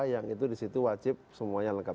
yang itu di situ wajib semuanya lengkap